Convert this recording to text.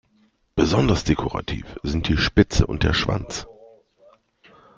Besonders dekorativ sind die Spitze und der Schwanz.